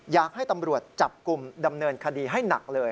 อยากให้ตำรวจจับกลุ่มดำเนินคดีให้หนักเลย